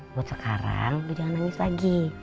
buat sekarang udah jangan nangis lagi